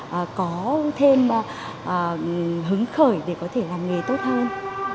và có thêm hứng khởi để có thể làm nghề tốt hơn